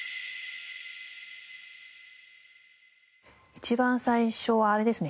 一番最初はあれですね。